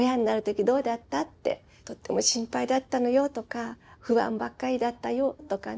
「とっても心配だったのよ」とか「不安ばっかりだったよ」とかね。